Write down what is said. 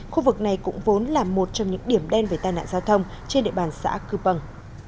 khu vực này cũng vốn là một trong những điểm đen về tai nạn giao thông trên địa bàn xã cư pâng